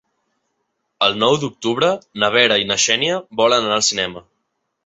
El nou d'octubre na Vera i na Xènia volen anar al cinema.